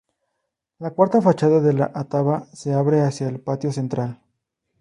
La cuarta fachada de la "ataba se" abre hacia el patio central.